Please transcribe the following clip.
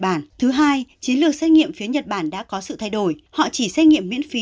bản thứ hai chiến lược xét nghiệm phía nhật bản đã có sự thay đổi họ chỉ xét nghiệm miễn phí